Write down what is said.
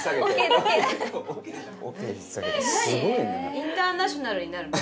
インターナショナルになるの？